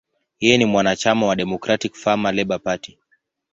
Yeye ni mwanachama wa Democratic–Farmer–Labor Party.